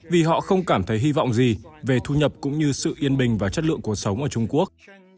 vì họ không cảm thấy hy vọng gì về thu nhập cũng như sự yên bình và chất lượng cuộc sống ở trung quốc